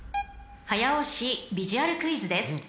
［早押しビジュアルクイズです］